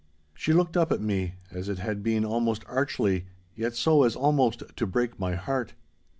She looked up at me, as it had been almost archly, yet so as almost to break my heart.